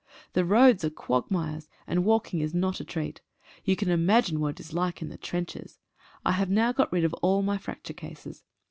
The roads are quagmires, and walking is not a treat. You can imagine what it is like in the trenches. I have now got rid of all my fracture cases.